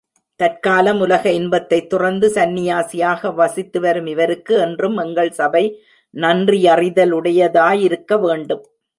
தற்காலம் உலக இன்பத்தைத் துறந்து சன்னியாசியாக வசித்து வரும் இவருக்கு என்றும் எங்கள் சபை நன்றியறிதலுடையதாயிருக்க வேண்டும்.